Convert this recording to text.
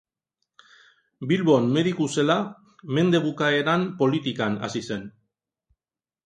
Bilbon mediku zela, mende bukaeran politikan hasi zen.